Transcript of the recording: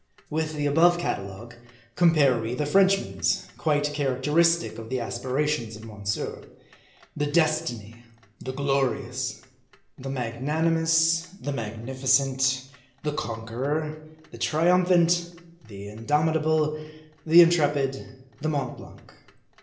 With the above catalogue, compare we the French man's ; quite characteristic of the aspirations of Monsieur : The Destiny, the Glorious, the Magnanimous, the Magnifi MARDI. in cent, the Conqueror, the Triumphant, the Indomitable, the Intrepid, the Mont Blanc.